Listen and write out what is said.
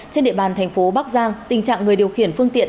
trên địa bàn thành phố bắc giang tình trạng người điều khiển phương tiện